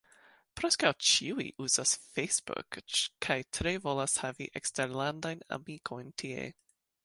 Preskaŭ ĉiuj uzas Facebook, kaj tre volas havi eksterlandajn amikojn tie.